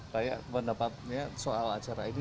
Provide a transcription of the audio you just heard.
saya pendapatnya soal acara ini